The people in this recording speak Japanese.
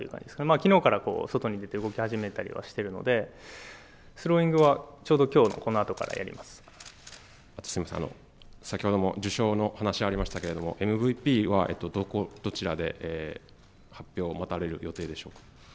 きのうから動き始めているので、スローイングは、ちょうど、きょ先ほども受賞の話がありましたけれども、ＭＶＰはどちらで発表を待たれる予定でしょうか。